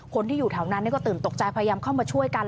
คนที่อยู่แถวนั้นก็ตื่นตกใจพยายามเข้ามาช่วยกัน